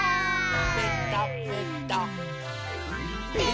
ぺたぺた。